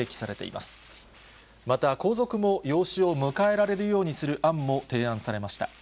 また、皇族も養子を迎えられるようにする案も提案されました。